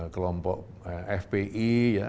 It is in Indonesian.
kelompok fpi ya